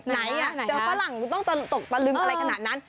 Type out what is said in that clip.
ไหนเจอฝรั่งต้องตกตะลึงอะไรขนาดนั้น